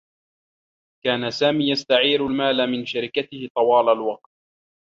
كان سامي يستعير المال من شركته طوال الوقت.